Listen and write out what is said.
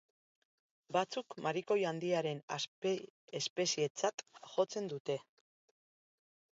Batzuk marikoi handiaren azpiespezietzat jotzen dute.